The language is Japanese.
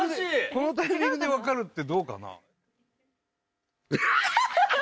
このタイミングで分かるって。